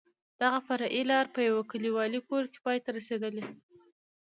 دغه فرعي لار په یو کلیوالي کور کې پای ته رسېدل.